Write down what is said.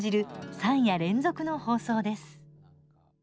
３夜連続の放送です。